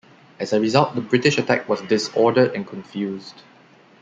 As a result, the British attack was disordered and confused.